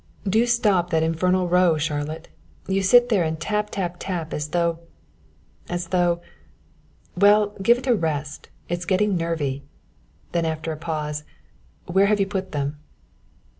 "Do stop that infernal row, Charlotte; you sit there and tap, tap, tap, as though as though well, give it a rest, it's getting nervy," then after a pause, "where have you put them?"